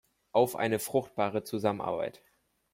Auf eine fruchtbare Zusammenarbeit!